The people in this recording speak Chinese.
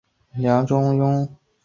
梁中庸初仕北凉段业。